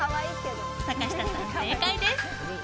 坂下さん、正解です！